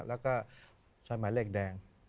และใช้หมายเลขแดง